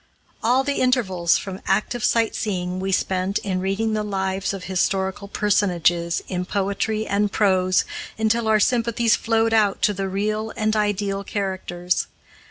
All the intervals from active sight seeing we spent in reading the lives of historical personages in poetry and prose, until our sympathies flowed out to the real and ideal characters.